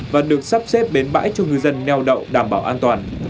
và được sắp xếp bến bãi cho ngư dân neo đậu đảm bảo an toàn